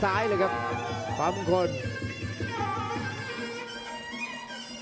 โอ้โหไม่พลาดกับธนาคมโด้แดงเขาสร้างแบบนี้